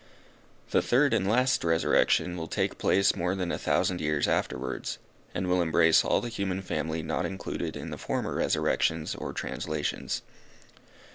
The third and last resurrection will take place more than a thousand years afterwards, and will embrace all the human family not included in the former resurrections or translations.